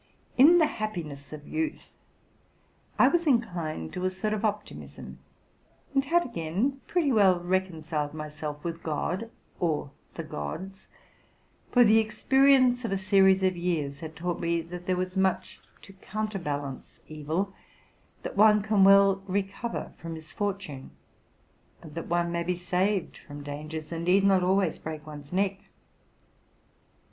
In the happiness of youth I was inclined to a sort of optimism, and had again pretty well reconciled a with God or the gods ; for the experience of a series of years had taught me that there was much to counterbalance ev i. that one can well recover from misfortune, and that one may be saved from dangers and need not always break one's neck.